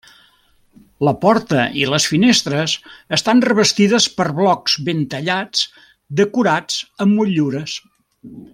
La porta i les finestres estan revestides per blocs ben tallats decorats amb motllures.